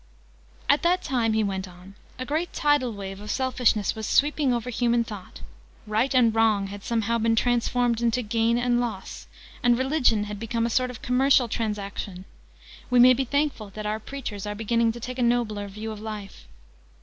"At that time," he went on, "a great tidal wave of selfishness was sweeping over human thought. Right and Wrong had somehow been transformed into Gain and Loss, and Religion had become a sort of commercial transaction. We may be thankful that our preachers are beginning to take a nobler view of life."